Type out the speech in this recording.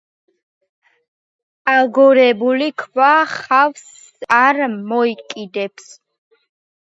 აგორებული ქვა ხავსს არ მოიკიდებს.